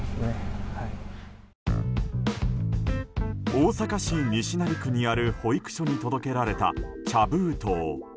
大阪市西成区にある保育所に届けられた茶封筒。